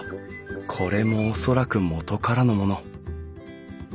これも恐らく元からのもの。